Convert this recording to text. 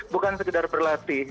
bukan sekedar berlatih